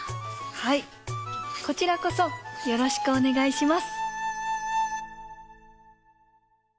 はいこちらこそよろしくおねがいします。